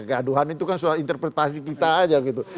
gaduhan itu kan soal interpretasi kita aja gitu